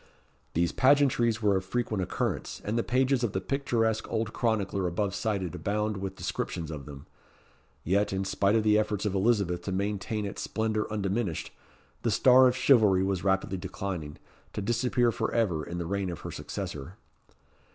These pageantries were of frequent occurrence, and the pages of the picturesque old chronicler above cited abound with descriptions of them. Yet, in spite of the efforts of Elizabeth to maintain its splendour undiminished, the star of chivalry was rapidly declining, to disappear for ever in the reign of her successor.